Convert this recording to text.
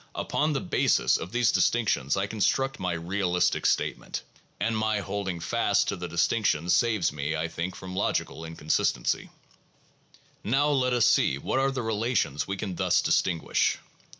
Upon the basis of these dis tinctions I construct my realistic statement; and my holding fast to the distinctions saves me, I think, from logical inconsistency. Now let us see what are the relations we can thus distinguish.